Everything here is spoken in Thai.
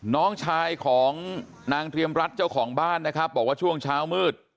น้องชายของนางเรียมรัฐเจ้าของบ้านนะครับบอกว่าช่วงเช้ามืด